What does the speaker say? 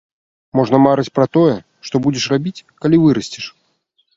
Можна марыць пра тое, што будзеш рабіць, калі вырасцеш.